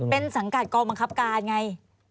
เป็นสังกัดกองบังคับการไง